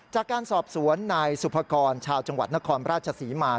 จากการสอบสวนนายสุภกรชาวจังหวัดนครราชศรีมา